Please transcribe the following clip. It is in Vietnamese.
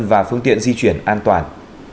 và phương tiện di chuyển an toàn